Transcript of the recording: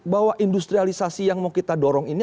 bahwa industrialisasi yang mau kita dorong ini